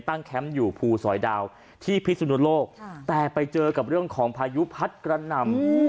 แคมป์อยู่ภูสอยดาวที่พิสุนุโลกแต่ไปเจอกับเรื่องของพายุพัดกระหน่ำ